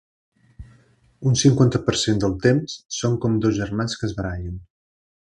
Un cinquanta per cent del temps som com dos germans que es barallen.